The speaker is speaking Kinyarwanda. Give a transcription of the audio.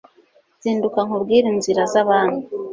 Zinduka nkubwire inzira z'Abami